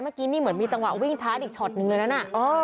เมื่อกี้นี่เหมือนมีจังหวะวิ่งชาร์จอีกช็อตนึงเลยนะ